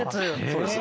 そうです。